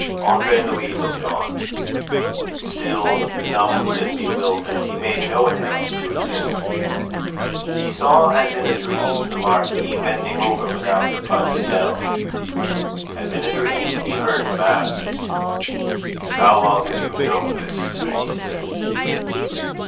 Andre Louis looked on. Still numbed and bewildered, he made no attempt to assist. He saw as in a dream the Marquis bending over Mme. de Plougastel. As in a dream he heard him ask: "How long have you known this, Therese?"